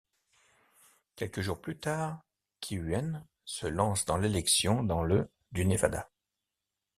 Quelques jours plus tard, Kihuen se lance dans l'élection dans le du Nevada.